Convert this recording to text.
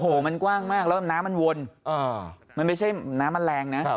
โอ้โหมันกว้างมากแล้วน้ำมันวนมันไม่ใช่น้ำมันแรงนะ